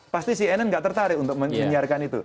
pasti cnn nggak tertarik untuk menyiarkan itu